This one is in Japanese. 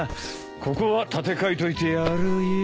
ここは立て替えといてやるよ。